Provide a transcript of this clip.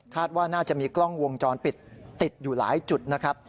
ว่าน่าจะมีกล้องวงจรปิดติดอยู่หลายจุดนะครับ